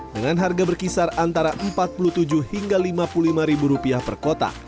dengan harga berkisar antara empat puluh tujuh hingga lima puluh lima ribu rupiah per kotak